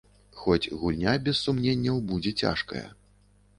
Хоць гульня, без сумненняў, будзе цяжкая.